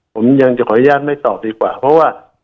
ผมยังจะขออนุญาตไม่ตอบดีกว่าเพราะว่า